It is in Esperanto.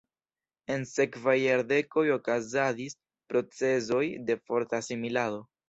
En sekvaj jardekoj okazadis procezoj de forta asimilado.